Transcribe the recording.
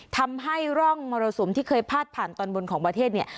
ทำให้ร่องมรสุมที่เคยพาดผ่านตอนบนของประเทศเนี่ย